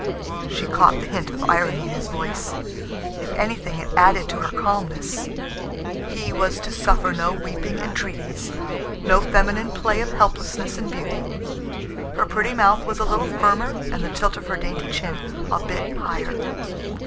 She caught the hint of irony in his voice. If anything, it added to her calmness. He was to suffer no weeping entreaties, no feminine play of helplessness and beauty. Her pretty mouth was a little firmer and the tilt of her dainty chin a bit higher.